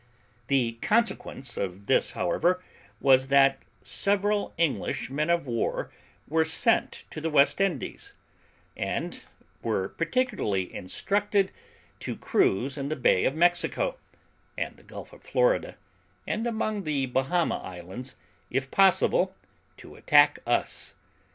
The consequence of this, however, was, that several English men of war were sent to the West Indies, and were particularly instructed to cruise in the Bay of Mexico, and the Gulf of Florida, and among the Bahama islands, if possible, to attack us.